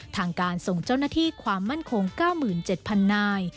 ทางการส่งเจ้าหน้าที่ความมั่นคง๙๗๐๐นาย